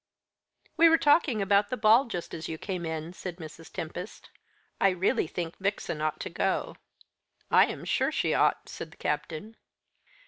"We were talking about the ball just as you came in," said Mrs. Tempest. "I really think Vixen ought to go." "I am sure she ought," said the Captain.